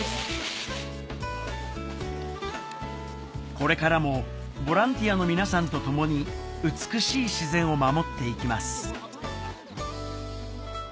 これからもボランティアの皆さんと共に美しい自然を守っていきます